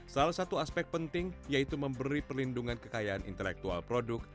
salah satu aspek penting yaitu memberi perlindungan kekayaan intelektual produk